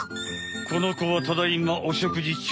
このこはただいまお食事中。